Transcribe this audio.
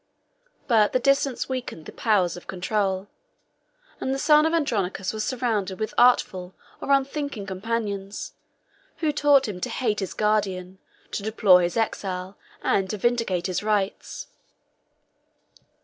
But the distance weakened the powers of control, and the son of Andronicus was surrounded with artful or unthinking companions, who taught him to hate his guardian, to deplore his exile, and to vindicate his rights.